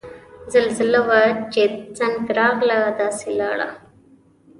زلزله وه چه څنګ راغله داسے لاړه